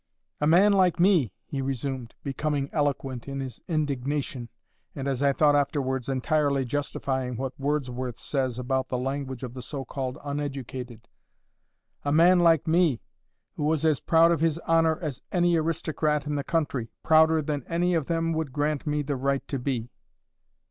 "A man like me!" he resumed, becoming eloquent in his indignation, and, as I thought afterwards, entirely justifying what Wordsworth says about the language of the so called uneducated,—"A man like me, who was as proud of his honour as any aristocrat in the country—prouder than any of them would grant me the right to be!"